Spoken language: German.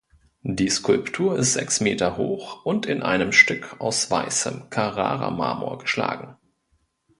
Die Skulptur ist sechs Meter hoch und in einem Stück aus weißen Carrara-Marmor geschlagen.